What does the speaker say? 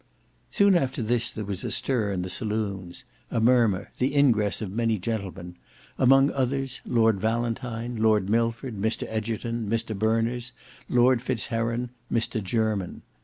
Soon after this there was a stir in the saloons; a murmur, the ingress of many gentlemen: among others Lord Valentine, Lord Milford, Mr Egerton, Mr Berners, Lord Fitz Heron, Mr Jermyn.